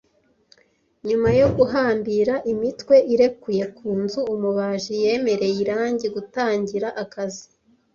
Nyuma yo guhambira imitwe irekuye ku nzu, umubaji yemereye irangi gutangira akazi.